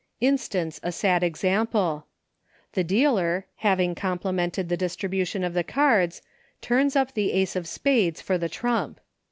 n Instance a sad example : The dealer, having comple ted the distribution of the cards, turns up the Ace of spades for the trump.